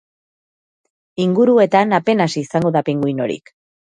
Inguruetan apenas izango da pinguinorik.